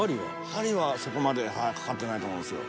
［針はそこまでかかってないと思うんですよ］